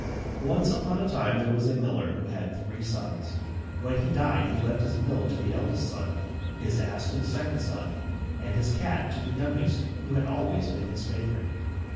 Once upon a time there was a miller who had three sons. When he died he left his mill to the eldest son, his ass to the second son, and his cat to the youngest, who had always been his favourite.